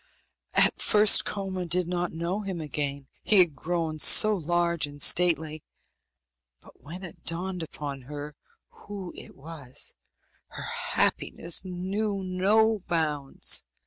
At first Koma did not know him again, he had grown so large and stately; but when it dawned upon her who it was, her happiness knew no bounds.